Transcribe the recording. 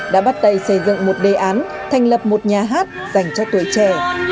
đã bắt tay xây dựng một đề án thành lập một nhà hát dành cho tuổi trẻ